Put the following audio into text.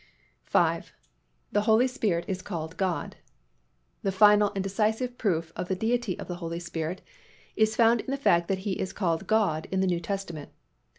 V. The Holy Spirit is called God. The final and decisive proof of the Deity of the Holy Spirit is found in the fact that He is called God in the New Testament.